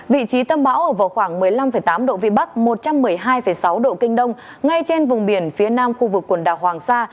vị trí tâm bão ở vào khoảng một mươi năm tám độ vĩ bắc một trăm một mươi hai sáu độ kinh đông ngay trên vùng biển phía nam khu vực quần đảo hoàng sa